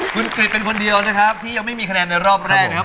คุณกริจเป็นคนเดียวนะครับที่ยังไม่มีคะแนนในรอบแรกนะครับ